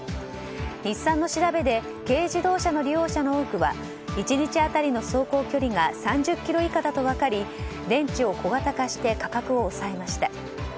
日産の調べで軽自動車の利用者の多くは１日の走行距離が３０ｋｍ以下だと分かり電池を小型化して価格を抑えました。